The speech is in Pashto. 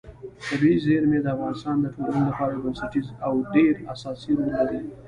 طبیعي زیرمې د افغانستان د ټولنې لپاره یو بنسټیز او ډېر اساسي رول لري.